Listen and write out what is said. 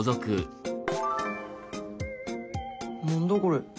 何だこれ？